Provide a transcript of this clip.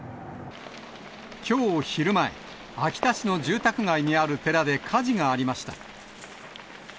きょう昼前、秋田市の住宅街にある寺で火事がありました。